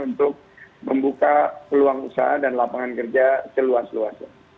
untuk membuka peluang usaha dan lapangan kerja seluas luasnya